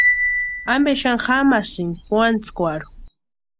¿Ampe xani jamasïnki puantskwarhu?